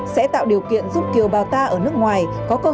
sẽ tạo điều kiện giúp kiều bào ta ở nước ngoài có cơ hội trở về